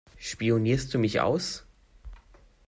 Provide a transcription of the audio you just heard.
Spionierst du mich aus?